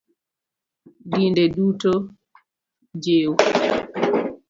Dinde duto jiw